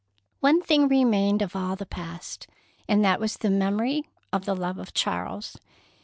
One thing remained of all the past, and that was the memory of the love of Charles.